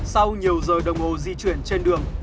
sau nhiều giờ đồng hồ di chuyển trên đường